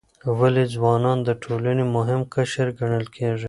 ولې ځوانان د ټولنې مهم قشر ګڼل کیږي؟